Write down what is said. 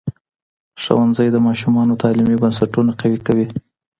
ښوونځی د ماشومانو تعلیمي بنسټونه قوي کوي.